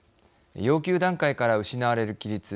要求段階から失われる規律。